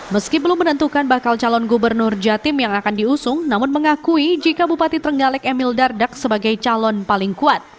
meski belum menentukan bakal calon gubernur jatim yang akan diusung namun mengakui jika bupati trenggalek emil dardak sebagai calon paling kuat